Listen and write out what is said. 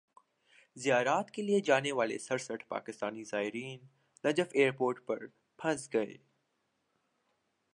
زیارت کیلئے جانے والے سرسٹھ پاکستانی زائرین نجف ایئرپورٹ پر پھنس گئے